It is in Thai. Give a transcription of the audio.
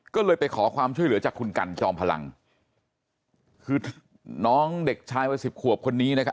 ก็เลยไปขอความช่วยเหลือจากคุณกันจอมพลังคือน้องเด็กชายวัยสิบขวบคนนี้นะครับ